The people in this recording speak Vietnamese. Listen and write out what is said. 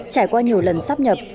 trải qua nhiều lần sắp nhập